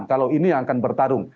kalau ini yang akan bertarung